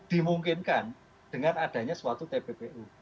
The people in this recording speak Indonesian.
dimungkinkan dengan adanya suatu tpu tpu